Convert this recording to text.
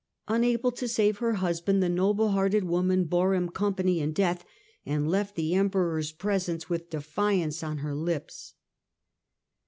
Unable to save her hus band, the noble hearted woman bore him company in death, and left the Emperor's presence with defiance on her lips.